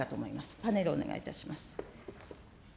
パネルお願いいたします。